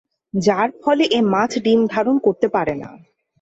যার ফলে এ মাছ ডিম ধারণ করতে পারে না।